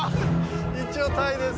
一応タイです。